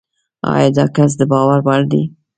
ایا داکس دباور وړ دی؟